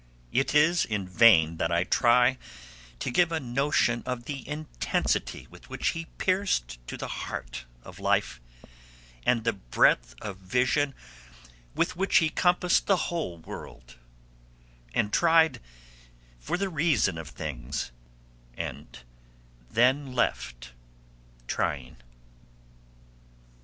It is in vain that I try to give a notion of the intensity with which he pierced to the heart of life, and the breadth of vision with which he compassed the whole world, and tried for the reason of things, and then left trying.